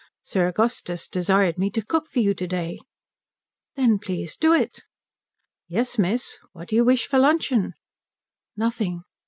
Sir Augustus desired me to cook for you to day." "Then please do it." "Yes miss. What do you wish for luncheon?" "Nothing."